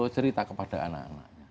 cerita kepada anak anaknya